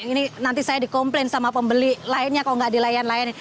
ini nanti saya dikomplain sama pembeli lainnya kalau nggak dilayan layanin